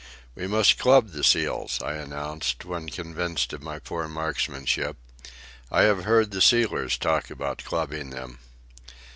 "We must club the seals," I announced, when convinced of my poor marksmanship. "I have heard the sealers talk about clubbing them."